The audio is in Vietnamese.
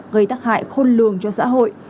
gây tác hại khôn lường cho xã hội